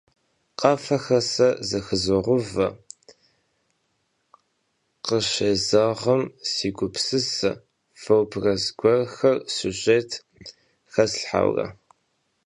Khafexer se zexızoğeuve, khışêzeğım si gupsıse, vobraz guerxer, süjjêt xeslhheure.